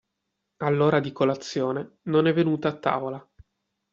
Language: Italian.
All'ora di colazione non è venuta a tavola.